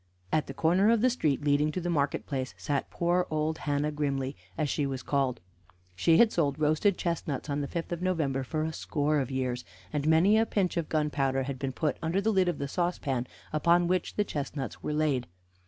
At the corner of the street leading to the market place sat poor old Hannah Grimly, as she was called. She had sold roasted chestnuts on the fifth of November for a score of years, and many a pinch of gunpowder had been put under the lid of the saucepan upon which the chestnuts were laid.